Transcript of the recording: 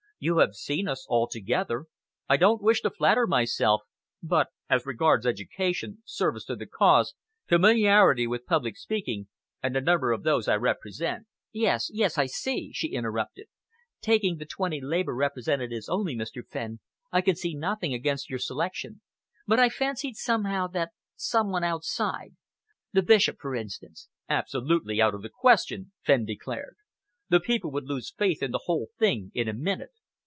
"You have seen us all together. I don't wish to flatter myself, but as regards education, service to the cause, familiarity with public speaking and the number of those I represent " "Yes, yes! I see," she interrupted. "Taking the twenty Labour representatives only, Mr. Fenn, I can see nothing against your selection, but I fancied, somehow, that some one outside the Bishop, for instance " "Absolutely out of the question," Fenn declared. "The people would lose faith in the whole thing in a minute.